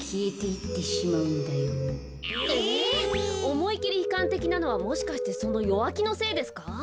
おもいきりひかんてきなのはもしかしてその弱木のせいですか？